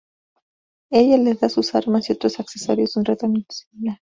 Ella les da a sus armas y otros accesorios un tratamiento similar.